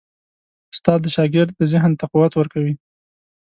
استاد د شاګرد ذهن ته قوت ورکوي.